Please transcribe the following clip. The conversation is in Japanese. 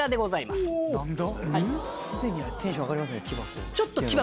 ・すでにテンション上がりますね木箱。